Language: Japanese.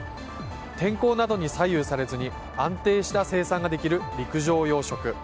天候などに左右されずに安定した生産できる陸上養殖。